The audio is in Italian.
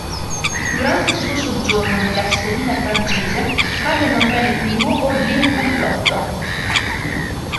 Durante il suo soggiorno nella cittadina francese, Carlo Emanuele I ordì un complotto.